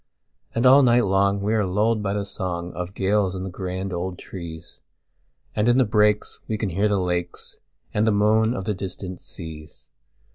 And all night long we are lulled by the songOf gales in the grand old trees; And in the breaks we can hear the lakesAnd the moan of the distant seas.